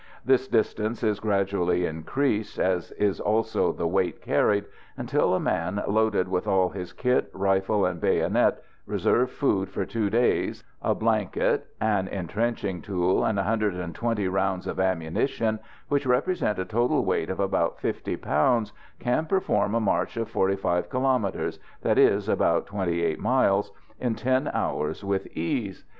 This distance is gradually increased, as is also the weight carried, until, a man loaded with all his kit, rifle and bayonet, reserve food for two days, a blanket, an entrenching tool and 120 rounds of ammunition, which represent a total weight of about 50 pounds, can perform a march of 45 kilomètres that is, about 28 miles in ten hours with ease.